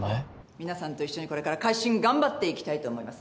皆さんと一緒にこれから回診頑張っていきたいと思います。